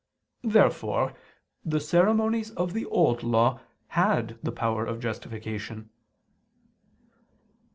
Therefore the ceremonies of the Old Law had the power of justification.